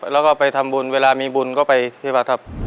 แล้วก็ไปทำบุญเวลามีบุญก็ไปที่วัดครับ